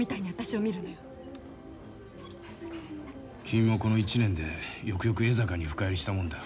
君もこの１年でよくよく江坂に深入りしたもんだ。